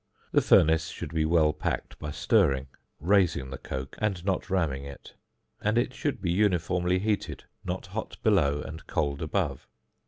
The furnace should be well packed by stirring, raising the coke and not ramming it, and it should be uniformly heated, not hot below and cold above.